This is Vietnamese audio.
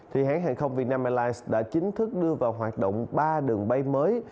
thì hãng hàng không vietnam airlines đã chính thức đưa vào hoạt động ba đường bay mới